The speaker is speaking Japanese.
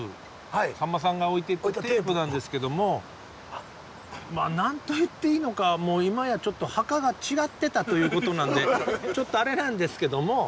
さんまさんが置いていったテープなんですけどもまあ何と言っていいのかもう今やちょっと墓が違ってたということなんでちょっとあれなんですけども。